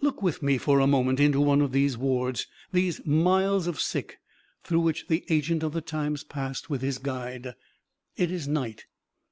Look with me for a moment into one of these wards, these "miles of sick" through which the agent of the Times passed with his guide. It is night.